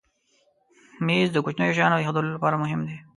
مېز د کوچنیو شیانو ایښودلو لپاره مهم دی.